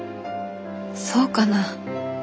そうかな？